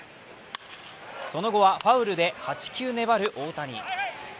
その後は、ファウルで８球粘る大谷。